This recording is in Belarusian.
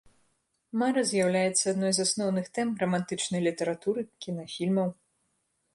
Мара з'яўляецца адной з асноўных тэм рамантычнай літаратуры, кінафільмаў.